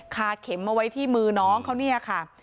เข็มเอาไว้ที่มือน้องเขาเนี่ยค่ะ